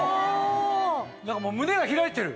何かもう胸が開いてる。